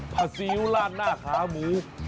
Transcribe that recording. ซีอิ๊วลาดหน้าขาหมู